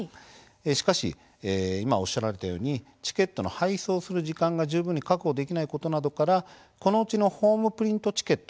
しかし今おっしゃられたようにチケットを配送する時間が十分に確保できないことなどからこのうちのホームプリントチケット